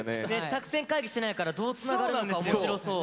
作戦会議してないからどうつながるのか面白そう。